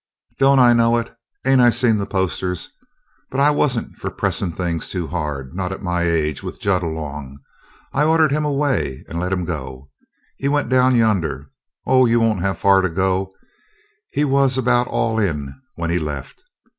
"Don't I know it? Ain't I seen the posters? But I wasn't for pressin' things too hard. Not me at my age, with Jud along. I ordered him away and let him go. He went down yonder. Oh, you won't have far to go. He was about all in when he left.